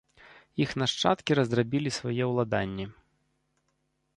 Іх нашчадкі раздрабілі свае ўладанні.